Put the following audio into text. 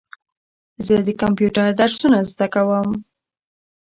زه د کمپیوټر درسونه زده کوم.